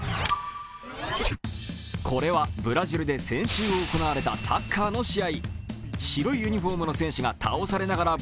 これはブラジルで先週行われたサッカーの試合。